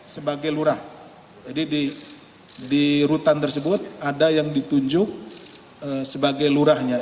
sebagai lurah jadi di rutan tersebut ada yang ditunjuk sebagai lurahnya